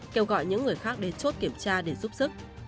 kêu gọi những người khác đến chốt kiểm tra để giúp sức